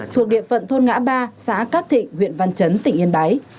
thuộc địa phận thôn ngã ba xã cát thịnh huyện văn chấn tỉnh yên bái